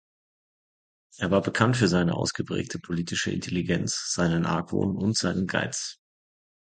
Er war bekannt für seine ausgeprägte politische Intelligenz, seinen Argwohn und seinen Geiz.